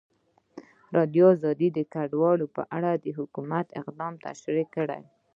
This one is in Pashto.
ازادي راډیو د کډوال په اړه د حکومت اقدامات تشریح کړي.